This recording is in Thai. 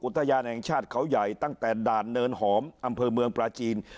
อุทยานแห่งชาติเขาใหญ่ตั้งแต่ด่านเนินหอมอำเภอเมืองปลาจีน